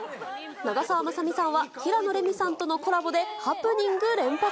長澤まさみさんは、平野レミさんとのコラボでハプニング連発。